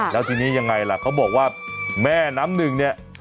แล้วทีนี้ยังไงล่ะเขาบอกว่าแม่น้ำหนึ่งเนี่ย